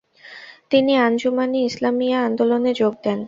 তিনি আঞ্জুমান-ই-ইসলামিয়া আন্দোলনে যোগ দেন।